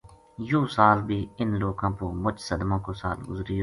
یوہ سال بھی اِنھ لوکاں پو مُچ صدما کو سال گُزریو